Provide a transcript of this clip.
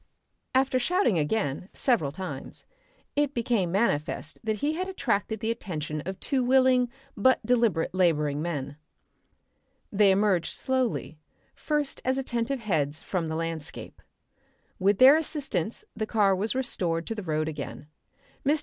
After shouting again, several times, it became manifest that he had attracted the attention of two willing but deliberate labouring men. They emerged slowly, first as attentive heads, from the landscape. With their assistance the car was restored to the road again. Mr.